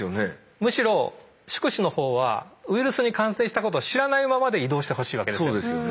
むしろ宿主の方はウイルスに感染したことを知らないままで移動してほしいわけですよ。